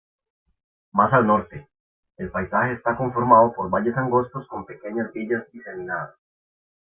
Más al norte, el paisaje está conformado por valles angostos con pequeñas villas diseminadas.